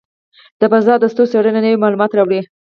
د فضاء د ستورو څېړنه نوې معلومات راوړي.